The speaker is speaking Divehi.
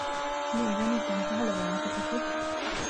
މި އިވެނީ ކޮން ކަހަލަ ވާހަކަތަކެއް؟